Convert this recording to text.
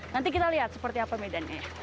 nanti kita lihat seperti apa medannya